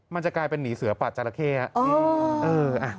มันจะกลายเป็นหนีเสือปัดจักรเคฮะ